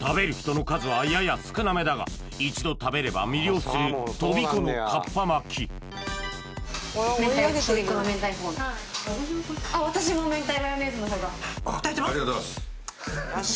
食べる人の数はやや少なめだが一度食べれば魅了するとびこのかっぱ巻きあっ